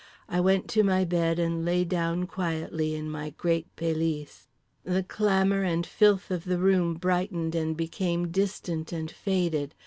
I went to my bed and lay down quietly in my great pelisse. The clamour and filth of the room brightened and became distant and faded.